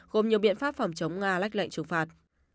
gồm nhiều biện pháp phòng chống nga lách lệnh trừng phạt